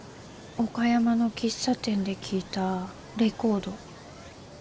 岡山の喫茶店で聴いたレコード。